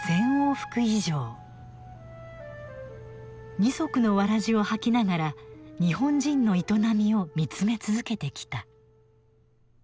二足のわらじを履きながら日本人の営みを見つめ続けてきた。